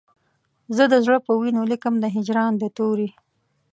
زه د زړه په وینو لیکم د هجران د توري